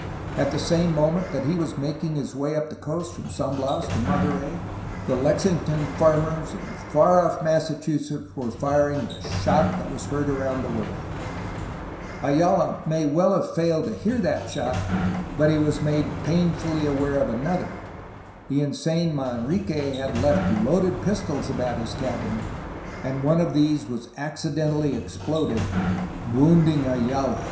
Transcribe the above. At the same moment that he was making his way up the coast from San Bias to ANTONIO BUCARELI 279 IVlonterey the Lexington farmers in far off Massachusetts were firing the ''shot that was heard around the world/' Ayala may well have failed to hear that shot, but he was made painfully aware of another; the insane Manrique had left loaded pistols about his cabin, and one of these was accidentally exploded, wounding Ayala.